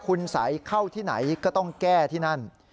คุณสัยเข้าที่ไหนก็ต้องแก้ที่นั่น